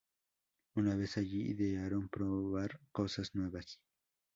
Una vez allí, idearon probar cosas nuevas.